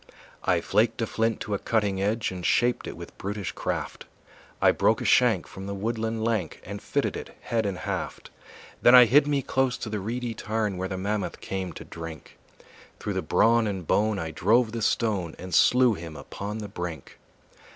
I flaked a flint to a cutting edge And shaped it with brutish craft; I broke a shank from the woodland lank And fitted it, head and haft; Then I hid me close to the reedy tarn, Where the mammoth came to drink; Through the brawn and bone I drove the stone And slew him upon the brink.